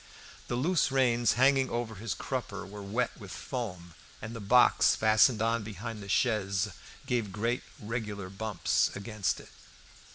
The loose reins hanging over his crupper were wet with foam, and the box fastened on behind the chaise gave great regular bumps against it.